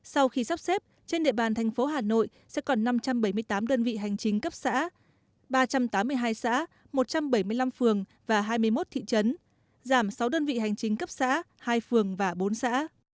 sau khi sắp xếp trên địa bàn thành phố hà nội sẽ còn năm trăm bảy mươi tám đơn vị hành chính cấp xã ba trăm tám mươi hai xã một trăm bảy mươi năm phường và hai mươi một thị trấn giảm sáu đơn vị hành chính cấp xã hai phường và bốn xã